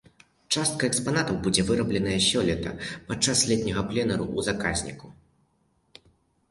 Частка экспанатаў будзе вырабленая сёлета падчас летняга пленэру ў заказніку.